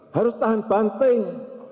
harus tahan banting